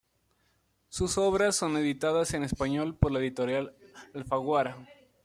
Sus obras son editadas en español por la editorial Alfaguara.